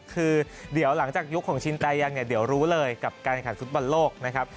คือเดี๋ยวหลังจากยุคของชินแตยังเนี่ยเดี๋ยวรู้เลยกับการแข่งขันฟุตบอลโลกนะครับ